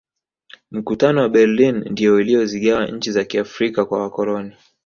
mkutano wa berlin ndiyo uliyozigawa nchi za kiafrika kwa wakoloni